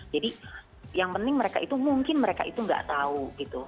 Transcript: jadi yang penting mereka itu mungkin mereka itu nggak tahu gitu